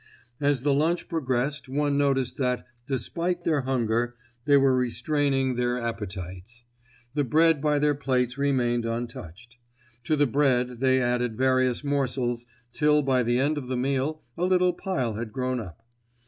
As the lunch progressed one noticed that, despite their hunger, they were restraining their appetites. The bread by their plates remained untouched. To the bread they added various morsels, till by the end of the meal a little pile had grown up.